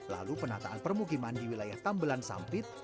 lalu penataan permukiman di wilayah tambelan sampit